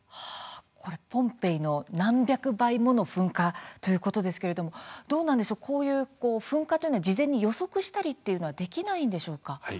これポンペイの何百倍もの噴火ということですけれどもどうなんでしょうかこういう噴火というのは事前に予測したりできないでしょうか。